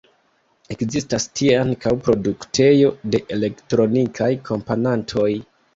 Ekzistas tie ankaŭ produktejo de elektronikaj komponantoj.